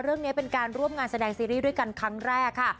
เรื่องนี้เป็นการร่วมงานแสดงซีรีส์ด้วยกันครั้งแรกค่ะ